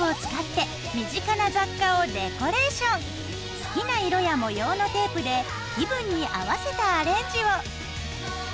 好きな色や模様のテープで気分に合わせたアレンジを。